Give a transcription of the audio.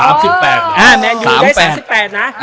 แมนยูต้องได้๓๘นะ